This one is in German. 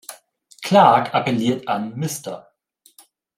Clark appelliert an Mr.